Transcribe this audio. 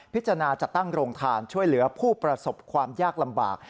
จัดตั้งโรงทานช่วยเหลือผู้ประสบความยากลำบาก